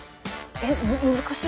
えっ難しい。